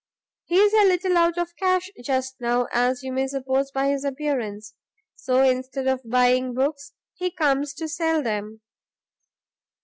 He is a little out of cash, just now, as you may suppose by his appearance, so instead of buying books, he comes to sell them.